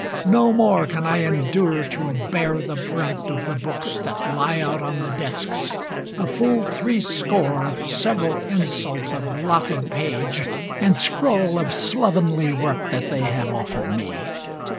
No more can I endure to bear the brunt Of the books that lie out on the desks: a full three score Of several insults of blotted page and scrawl Of slovenly work that they have offered me.